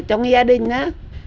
trong gia đình á